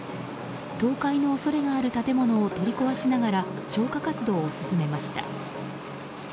倒壊の恐れがある建物を取り壊しながら消火活動を進めました。